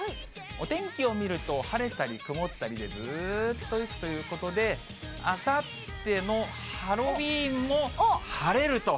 お天気を見ると、晴れたり曇ったりで、ずっといくということで、あさってのハロウィーンも晴れると。